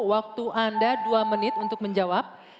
waktu anda dua menit untuk menjawab